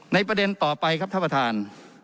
ประเด็นต่อไปครับท่านประธาน